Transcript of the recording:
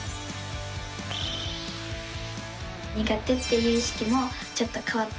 苦手っていう意識もちょっと変わったのかなと。